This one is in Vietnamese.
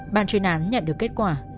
ban chuyên án nhận được kết quả